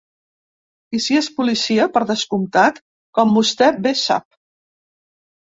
I si és policia, per descomptat, com vostè bé sap.